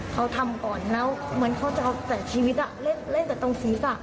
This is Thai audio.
เขาทำก่อนแล้วเหมือนเขาจะเอาแต่ชีวิตเล่นแต่ตรงศีรษะ